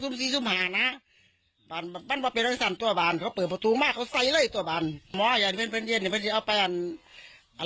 แม่บอกว่าโอ้โหคนร้ายเปิดประตูรถแล้วยิงใสกล้องคออยู่ตลอดเวลาค่ะ